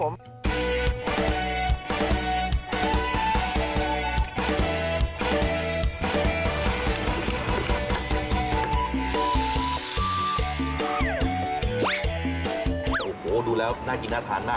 โอ้โหดูแล้วน่ากินน่าทานมาก